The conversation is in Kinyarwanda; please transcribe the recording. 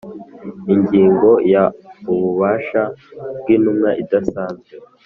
Ingingo ya Ububasha bw intumwa idasanzwe